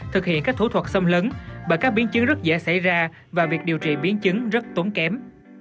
thực hiện các thủ thuật xâm lấn bởi các biến chứng rất dễ xảy ra và việc điều trị biến chứng rất tốn kém